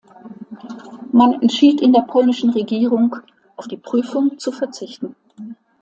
Man entschied in der polnischen Regierung, auf die Prüfung zu verzichten.